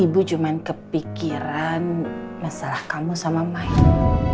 ibu cuma kepikiran masalah kamu sama main